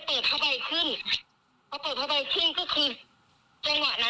ภึบเป็นแสงเพลิงขึ้นมาเลยใช้มั้ยจำนั้น